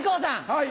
はい！